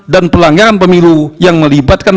dan pelanggaran pemilu yang melibatkan